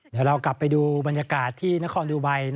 เดี๋ยวเรากลับไปดูบรรยากาศที่นครดูไบ